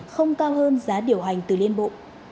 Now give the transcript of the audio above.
không cao hơn giá điều hành từ liên bộ